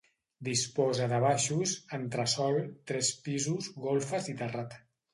Disposa de baixos, entresòl, tres pisos, golfes i terrat.